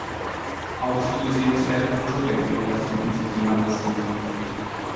Auch viele sehenswerte Kulturdenkmäler finden sich im Landesinneren.